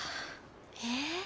え？